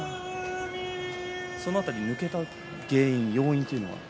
その辺り抜けた要因というのは？